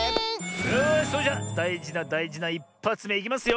よしそれじゃだいじなだいじな１ぱつめいきますよ。